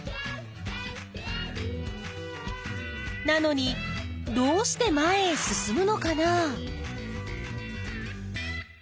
なのにどうして前へ進むのかな？